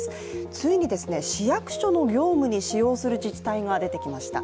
ついにですね、市役所の業務に使用する自治体が出てきました。